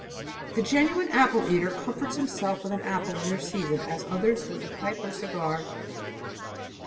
The genuine apple eater comforts himself with an apple in their season as others with a pipe or cigar.